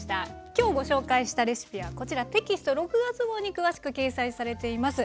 今日ご紹介したレシピはこちらテキスト６月号に詳しく掲載されています。